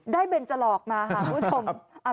เบนจรอกมาค่ะคุณผู้ชม